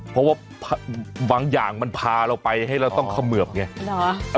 เพราะว่าบางอย่างมันพาเราไปให้เราต้องเขมือบไง